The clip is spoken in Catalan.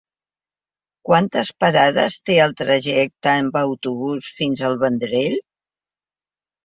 Quantes parades té el trajecte en autobús fins al Vendrell?